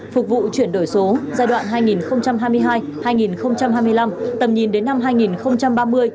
phục vụ chuyển đổi số giai đoạn hai nghìn hai mươi hai hai nghìn hai mươi năm tầm nhìn đến năm hai nghìn ba mươi